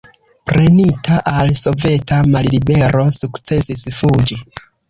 Prenita al soveta mallibero sukcesis fuĝi.